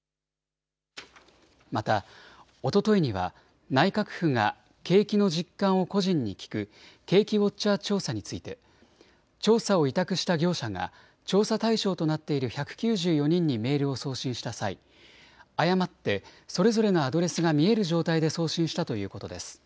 また、おとといには内閣府が景気の実感を個人に聞く景気ウォッチャー調査について調査を委託した業者が調査対象となっている１９４人にメールを送信した際、誤ってそれぞれのアドレスが見える状態で送信したということです。